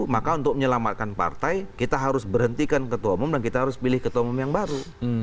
maka untuk menyelamatkan partai kita harus berhentikan ketua umum dan kita harus pilih ketua umum yang baru